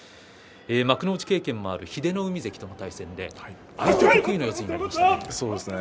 幕内経験もある英乃海関との対戦で相手得意の四つになりましたね。